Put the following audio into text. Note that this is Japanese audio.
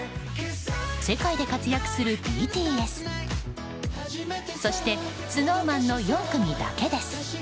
世界で活躍するＢＴＳそして、ＳｎｏｗＭａｎの４組だけです。